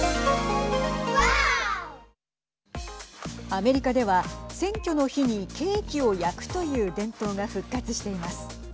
アメリカでは選挙の日にケーキを焼くという伝統が復活しています。